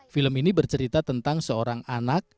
film ini bercerita tentang seorang anak